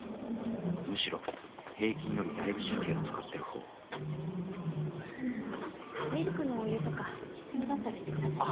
むしろ平均よりだいぶ神経を使ってるほうミルクのお湯とか必要だったら言って下さいね。